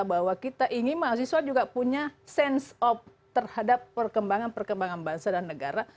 bahwa kita ingin mahasiswa juga punya sense of terhadap perkembangan perkembangan bangsa dan negara